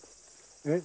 えっ？